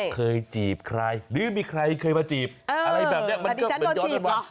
เคยจีบใครหรือมีใครเคยมาจีบอะไรแบบนี้มันก็เหมือนย้อนกันว่า